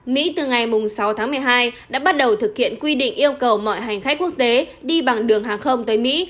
mỹ từ ngày sáu tháng một mươi hai đã bắt đầu thực hiện quy định yêu cầu mọi hành khách quốc tế đi bằng đường hàng không tới mỹ